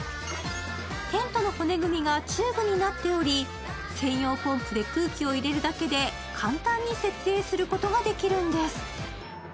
テントの骨組みがチューブになっており専用ポンプで空気を入れるだけで簡単に設営することができるんです。